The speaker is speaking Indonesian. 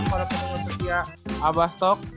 kawan kawan sekian abastok